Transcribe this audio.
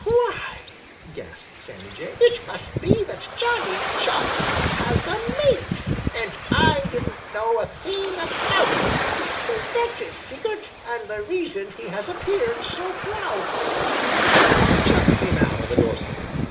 "Why," gasped Sammy Jay, "it must be that Johnny Chuck has a mate, and I didn't know a thing about it! So that's his secret and the reason he has appeared so proud lately!" Polly Chuck came out on the doorstep.